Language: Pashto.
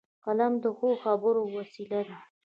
قلم د ښو خبرو وسیله ده